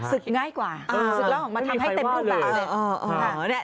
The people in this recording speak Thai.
ศึกง่ายกว่าไม่มีใครว่าเลย